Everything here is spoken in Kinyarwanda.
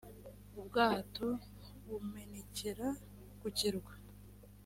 ubwato bumenekera ku kirwa